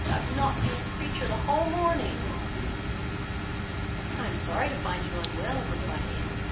I have not seen a creature the whole morning!" "I am sorry to find you unwell," replied Anne.